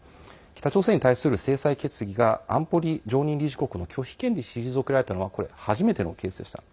北朝鮮に対する制裁決議が安保理常任理事国の拒否権で退けられたのは初めてのケースでした。